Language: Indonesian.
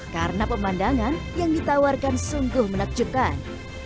karena pemandangan yang ditawarkan sungguh menakjubkan